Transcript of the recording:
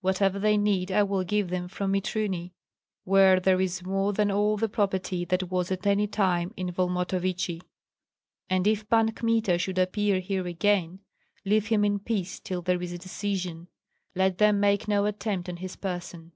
Whatever they need I will give them from Mitruny, where there is more than all the property that was at any time in Volmontovichi. And if Pan Kmita should appear here again, leave him in peace till there is a decision, let them make no attempt on his person.